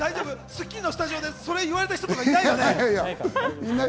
『スッキリ』のスタジオでそれ言われた人いないよね？